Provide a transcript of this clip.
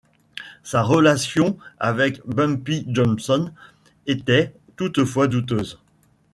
Sa relation avec Bumpy Johnson était, toutefois, douteuse.